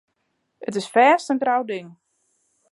It is fêst in grou ding.